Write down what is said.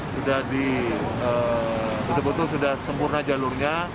sudah betul betul sudah sempurna jalurnya